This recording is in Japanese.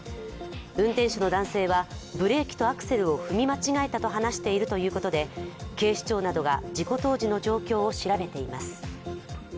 運転手の男性はブレーキとアクセルを踏み間違えたと話しているということで警視庁などが事故当時の状況を調べています。